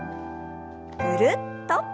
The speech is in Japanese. ぐるっと。